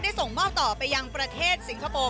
ส่งมอบต่อไปยังประเทศสิงคโปร์